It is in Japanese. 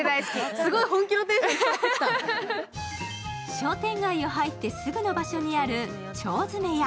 商店街を入ってすぐの場所にある腸詰屋。